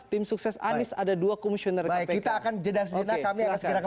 tim sukses anies ada dua komisioner kpk